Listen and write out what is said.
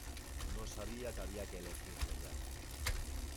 No sabía que había que elegirlo ya.